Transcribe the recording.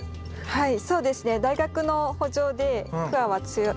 はい。